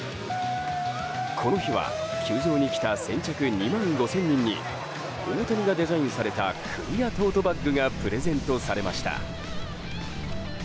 この日は球場に来た先着２万５０００人に大谷がデザインされたクリアトートバッグがプレゼントされました。